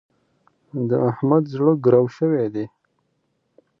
د احمد زړه ګرو شوی دی.